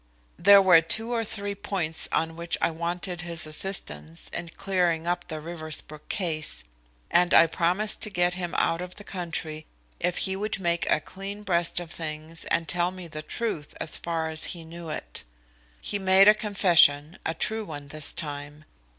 There were two or three points on which I wanted his assistance in clearing up the Riversbrook case, and I promised to get him out of the country if he would make a clean breast of things and tell me the truth as far as he knew it. He made a confession a true one this time.